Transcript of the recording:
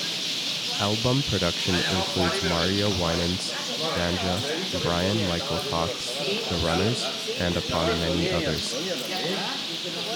Album production includes Mario Winans, Danja, Bryan-Michael Cox, The Runners, and upon many others.